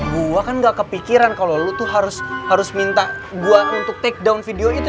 gue kan gak kepikiran kalau lu tuh harus minta gue untuk take down video itu